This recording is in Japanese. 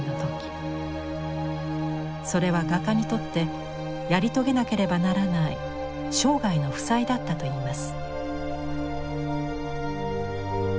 それは画家にとってやり遂げなければならない生涯の負債だったといいます。